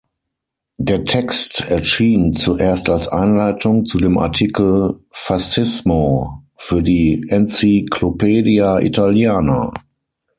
Der Text erschien zuerst als Einleitung zu dem Artikel "Fascismo" für die "Enciclopedia Italiana".